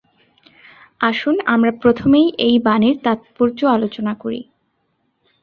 আসুন আমরা প্রথমেই এই বাণীর তাৎপর্য আলোচনা করি।